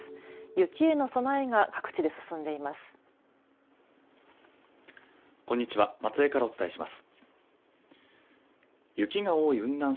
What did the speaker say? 雪への備えが各地で進んでいます。